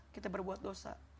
kita berbuat dosa